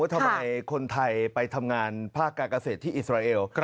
ทำไมคนไทยไปทำงานภาคการเกษตรที่อิสราเอล